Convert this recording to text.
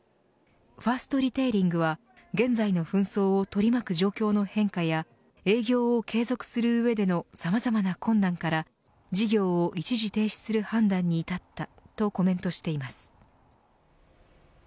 ファーストリテイリングは現在の紛争を取り巻く状況の変化や営業を継続する上でのさまざまな困難から事業を一時停止する判断に至ったとコメントしています。